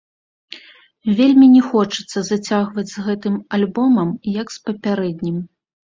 Вельмі не хочацца зацягваць з гэтым альбомам, як з папярэднім.